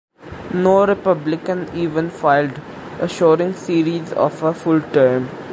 No Republican even filed, assuring Sires of a full term.